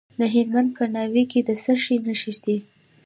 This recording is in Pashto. د هلمند په ناوې کې د څه شي نښې دي؟